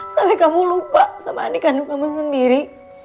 sampai kamu lupa sama adik kandung kamu sendiri